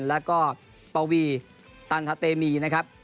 แล้วก็ปวีตันทะเตมีนะครับ